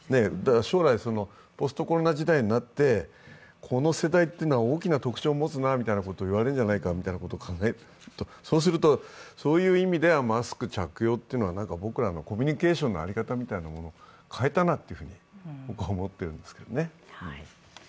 将来、ポスト・コロナ時代になってこの世代というのは大きな特徴を持つなみたいなことを言われるんじゃないかと考えるとそういう意味ではマスク着用というのは僕らのコミュニケーションの在り方みたいなものを変えたなと僕は思っているんですけどね。